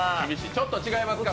ちょっと違いますか？